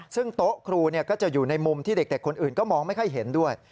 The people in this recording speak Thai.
ซึ่งโต๊ะครูก็จะอยู่ในมุมที่เด็กคนอื่นก็มองไม่ค่อยเห็นด้วย